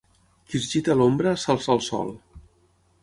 Qui es gita a l'ombra, s'alça al sol.